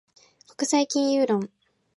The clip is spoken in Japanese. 国際金融論